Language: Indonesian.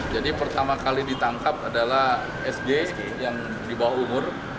jadi pertama kali ditangkap adalah sj yang di bawah umur